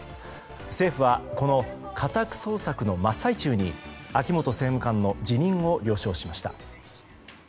政府はこの家宅捜索の真っ最中に秋本政務官の辞任を了承しました。